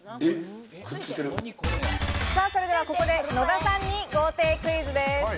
それではここで野田さんに豪邸クイズです。